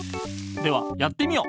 ではやってみよ。